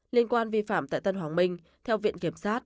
liên quan vi phạm tại tân hoàng minh theo viện kiểm sát